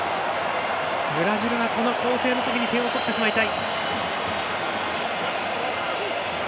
ブラジルは攻勢の時に点を取ってしまいたい。